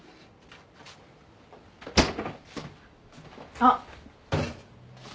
あっ。